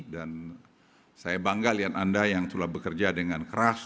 dan saya bangga lihat anda yang sudah bekerja dengan keras